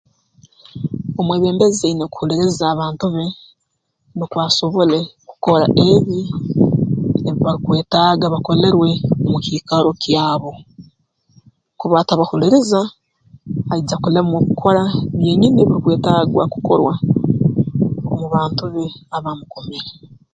Omwebembezi aine kuhuliriza abantu be nukwo asobole kukora ebi ebi barukwetaaga bakolerwe mu kiikaro kyabo kuba atabahuliriza aija kulemwa kukora byenyini ebirukwetaagwa kukorwa mu bantu be abaamukomere